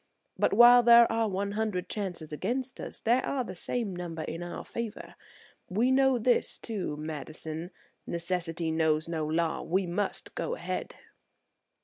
But while there are one hundred chances against us, there are the same number in our favor. We know this, too, Madison,–necessity knows no law; we must go ahead!"